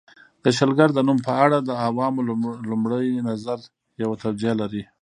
د شلګر د نوم په اړه د عوامو لومړی نظر یوه توجیه لري